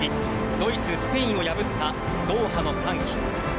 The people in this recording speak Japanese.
ドイツ、スペインを破ったドーハの歓喜。